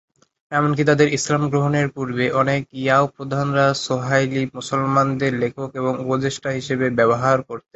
এমনকি তাদের ইসলাম গ্রহণের পূর্বে, অনেক ইয়াও প্রধানরা সোয়াহিলি মুসলমানদের লেখক এবং উপদেষ্টা হিসেবে ব্যবহার করতেন।